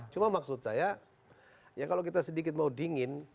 cuma maksud saya ya kalau kita sedikit mau dingin